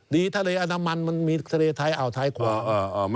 เข้าทะเลอานามันมีทะเลท้ายอั๋อท้ายกวาม